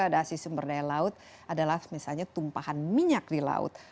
dan gradasi sumber daya laut adalah misalnya tumpahan minyak di laut